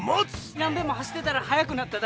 何べんも走ってたら速くなっただ。